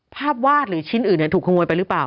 วาดหรือชิ้นอื่นถูกขโมยไปหรือเปล่า